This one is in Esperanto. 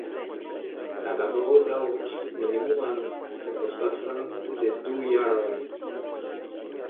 La laboro daŭrus minimuman tempospacon de du jaroj.